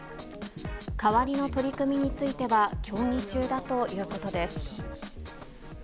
代わりの取り組みについては、協議中だということです。